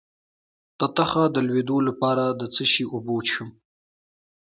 د تخه د لوییدو لپاره د څه شي اوبه وڅښم؟